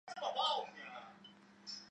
避免刺激是简单有效的方法。